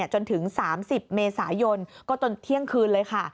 จนถึง๓๐เมษายนก็จนเที่ยงคืนเลยค่ะ